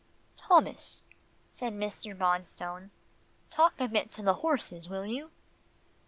"Thomas," said Mr. Bonstone, "talk a bit to the horses, will you?"